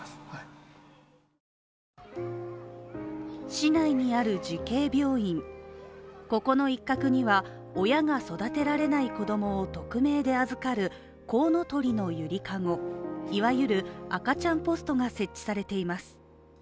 市内にある慈恵病院、ここの一角には親が育てられない子供を匿名で預かるこうのとりのゆりかごいわゆる赤ちゃんポストが設置されています。